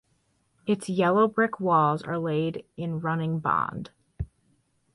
Its yellow brick walls are laid in running bond.